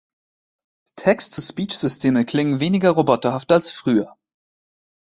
Text to Speech-Systeme klingen weniger roboterhaft als früher.